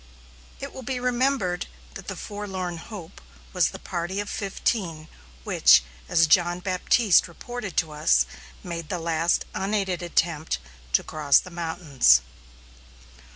It will be remembered that the Forlorn Hope was the party of fifteen which, as John Baptiste reported to us, made the last unaided attempt to cross the mountains.